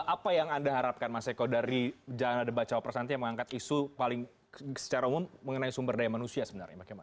apa yang anda harapkan mas eko dari jalan debat cawa perasantian mengangkat isu paling secara umum mengenai sumber daya manusia sebenarnya